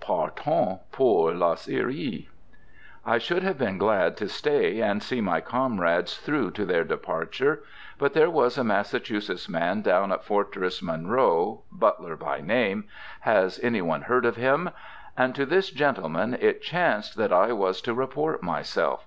"PARTANT POUR LA SYRIE." I should have been glad to stay and see my comrades through to their departure; but there was a Massachusetts man down at Fortress Monroe, Butler by name, has any one heard of him? and to this gentleman it chanced that I was to report myself.